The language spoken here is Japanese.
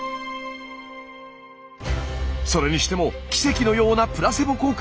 それにしても奇跡のようなプラセボ効果！